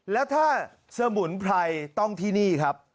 แล้วถ้าสมุนไพรต้องที่นี่ครับ